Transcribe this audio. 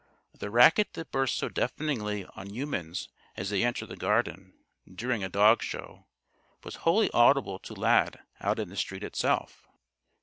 The racket that bursts so deafeningly on humans as they enter the Garden, during a dog show, was wholly audible to Lad out in the street itself.